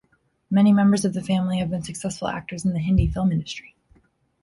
Many members of the family have been successful actors in the Hindi film industry.